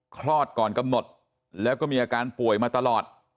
คลอดก่อนกำหนดแล้วก็มีอาการป่วยมาตลอด